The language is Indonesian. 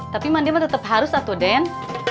tapi mandi mah tetap harus satu den